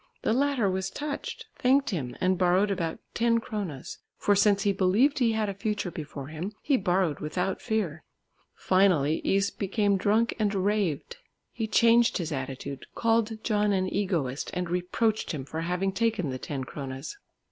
The latter was touched, thanked him, and borrowed about ten kronas, for, since he believed he had a future before him, he borrowed without fear. Finally Is became drunk and raved. He changed his attitude, called John an egoist, and reproached him for having taken the ten kronas.